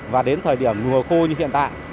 và đến thời điểm mùa khô như hiện tại